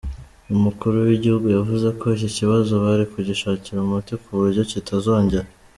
Umukuru w’igihugu yavuze ko iki kibazo bari kugishakira umuti kuburyo kitazongera.